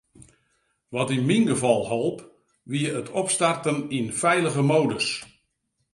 Wat yn myn gefal holp, wie it opstarten yn feilige modus.